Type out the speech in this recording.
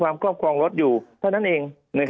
ภารกิจสรรค์ภารกิจสรรค์